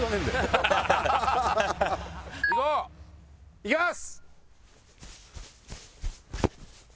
いきます！